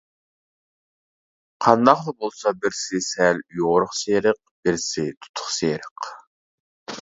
قانداقلا بولسا بىرسى سەل يورۇق سېرىق بىرسى تۇتۇق سېرىق.